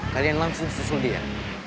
kalian langsung susun dia